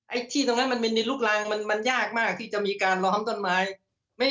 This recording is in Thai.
ไอ้ที่ตรงนั้นมันมีดินลุกลางมันยากมากที่จะมีการล้อมต้นไม้